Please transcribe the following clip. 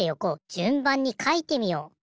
じゅんばんにかいてみよう。